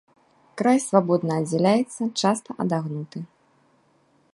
Край свабодна аддзяляецца, часта адагнуты.